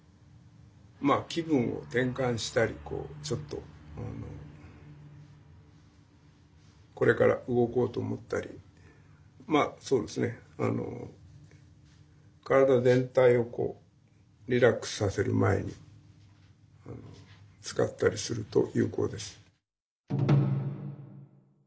まあ気分を転換したりちょっとこれから動こうと思ったりまあそうですねあの体全体をリラックスさせる前に使ったりすると有効です。